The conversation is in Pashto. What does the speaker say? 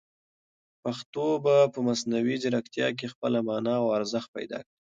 پښتو به په مصنوعي ځیرکتیا کې خپله مانا او ارزښت پیدا کړي.